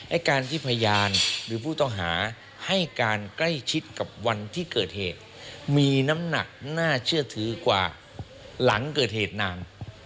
ไอ้การที่พยานหรือผู้ต้องหาให้การใกล้ชิดกับวันที่เกิดเหตุมีน้ำหนักน่าเชื่อถือกว่าหลังเกิดเหตุนาน